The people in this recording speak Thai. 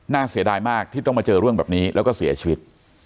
เสียดายมากที่ต้องมาเจอเรื่องแบบนี้แล้วก็เสียชีวิต